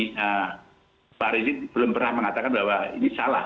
nah pak rizik belum pernah mengatakan bahwa ini salah